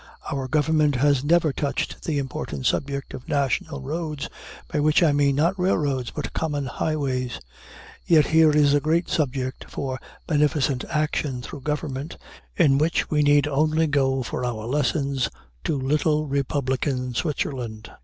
Our government has never touched the important subject of national roads, by which I mean not railroads, but common highways; yet here is a great subject for beneficent action through government, in which we need only go for our lessons to little republican Switzerland.